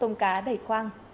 giá đầy khoang